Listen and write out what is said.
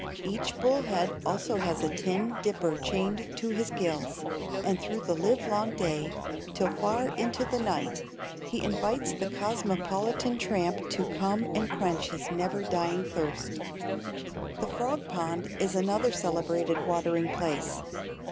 Each bullhead also has a tin dipper chained to his gills, and through the live long day, till far into the night, he invites the cosmopolitan tramp to come and quench his never dying thirst. The frog pond is another celebrated watering place.